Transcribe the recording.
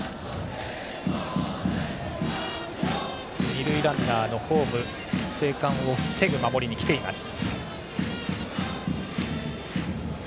二塁ランナーのホーム生還を防ぐ守りに来ています。